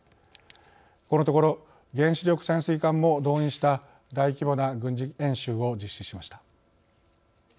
このところ原子力潜水艦も動員した大規模な軍事演習を実施しました。